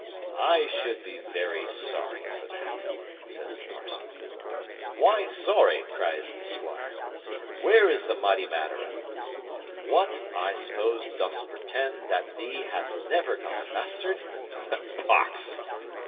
"I should be very sorry for that," says the parson. "Why sorry," cries the squire: "Where is the mighty matter o't? What, I suppose dost pretend that thee hast never got a bastard? Pox!